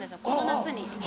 この夏に。